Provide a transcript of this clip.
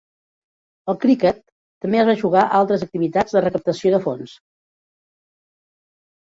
El criquet també es va jugar a altres activitats de recaptació de fons.